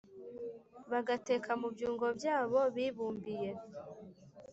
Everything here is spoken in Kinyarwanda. bagateka mu byungo byabo bibumbiye